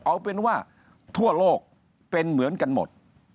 เอาเป็นว่าทั่วโลกเป็นเหมือนกันหมด